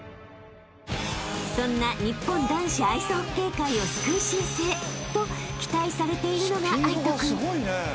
［そんな日本男子アイスホッケー界を救う新星と期待されているのが藍仁君］